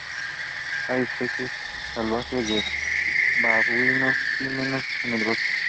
Hay especies salvajes de babuinos y monos en el bosque.